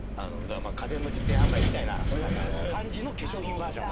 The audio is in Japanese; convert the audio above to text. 家電の実演販売みたいな感じの化粧品バージョン。